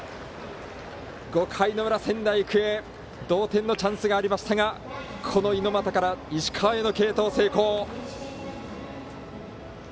５回裏、仙台育英同点のチャンスがありましたがこの猪俣から石川への継投、成功。